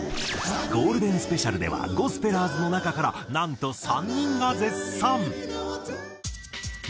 ゴールデンスペシャルではゴスペラーズの中からなんと３人が絶賛！